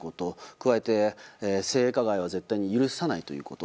加えて、性加害は絶対に許さないということ。